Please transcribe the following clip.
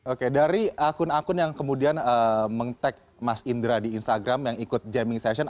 oke dari akun akun yang kemudian meng tag mas indra di instagram yang ikut jamming session